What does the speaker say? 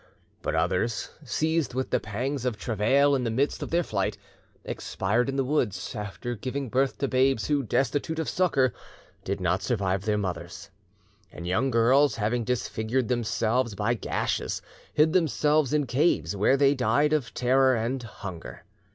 But others, seized with the pangs of travail in the midst of their flight, expired in the woods, after giving birth to babes, who, destitute of succour, did not survive their mothers. And young girls, having disfigured themselves by gashes, hid themselves in caves, where they died of terror and hunger.